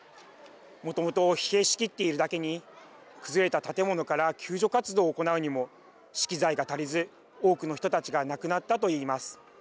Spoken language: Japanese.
もともと疲弊しきっているだけに崩れた建物から救助活動を行うにも資機材が足りず、多くの人たちが亡くなったと言います。